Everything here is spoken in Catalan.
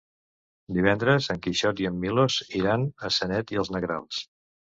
Divendres en Quixot i en Milos iran a Sanet i els Negrals.